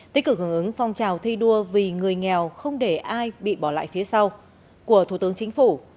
tích cực hướng ứng phong trào thi đua vì người nghèo không để ai bị bỏ lại phía sau của thủ tướng chính phủ